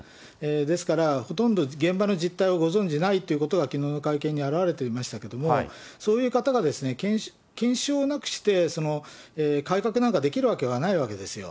ですから、ほとんど現場の実態をご存じないということがきのうの会見に表れておりましたけれども、そういう方が献身をなくして改革なんかできるわけないわけですよ。